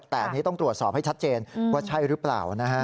แต่ต้องตรวจสอบให้ชัดเจนว่าใช่หรือเปล่านะครับ